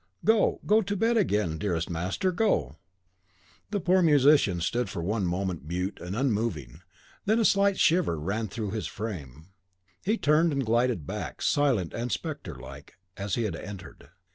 Go, go to to bed again, dearest master, go!" The poor musician stood for one moment mute and unmoving, then a slight shiver ran through his frame; he turned and glided back, silent and spectre like, as he had entered.